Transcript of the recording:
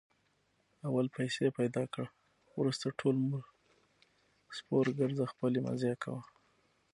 اول پیسې پیدا کړه، ورسته ټول عمر سپورګرځه خپلې مزې کوه.